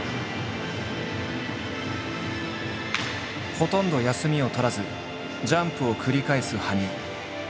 ほとんど休みをとらずジャンプを繰り返す羽生。